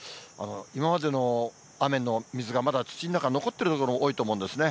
今までの雨の水がまだ土の中に残っている所が多いと思うんですね。